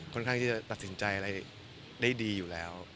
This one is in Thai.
ค่อนข้างที่จะตัดสินใจอะไรได้ดีอยู่แล้ว